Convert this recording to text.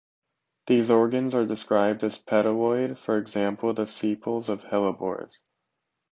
These organs are described as petaloid, for example, the sepals of hellebores.